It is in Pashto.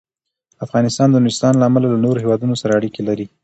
افغانستان د نورستان له امله له نورو هېوادونو سره اړیکې لري.